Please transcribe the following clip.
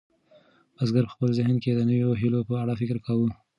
بزګر په خپل ذهن کې د نویو هیلو په اړه فکر کاوه.